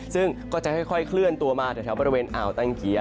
ซึ่งก็จะค่อยเคลื่อนตัวมาแถวบริเวณอ่าวตังเกีย